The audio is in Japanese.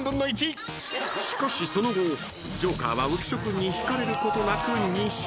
［しかしその後ジョーカーは浮所君に引かれることなく２周］